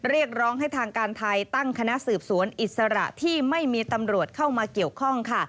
เรียกร้องให้ทางการไทยตั้งคณะสืบสวนอิสระที่ไม่มีตำรวจเข้ามาเกี่ยวข้องค่ะ